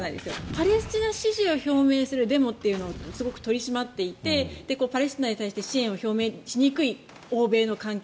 パレスチナ支持を表明するデモというのをすごく取り締まっていてパレスチナに対して支援を表明しにくい欧米の環境。